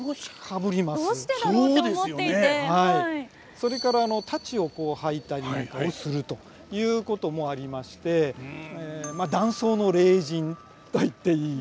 それから太刀をはいたりもするということもありましてまあ男装の麗人といっていい。